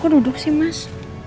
kok duduk sih mas aku pengen ngeliatin